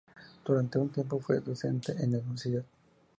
Durante un tiempo fue docente en esa Universidad.